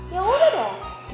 ya udah deh